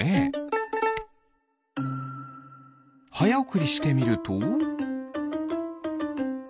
はやおくりしてみると。